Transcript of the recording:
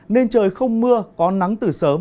nên trời không mưa có nắng từ sớm